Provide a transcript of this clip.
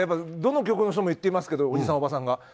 どの局の人も言ってますけどおじさん、おばさんが。